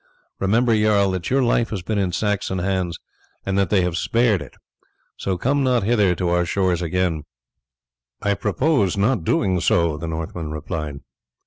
Remember, jarl, that your life has been in Saxon hands, and that they have spared it, so come not hither to our shores again." "I purpose not doing so," the Northman replied.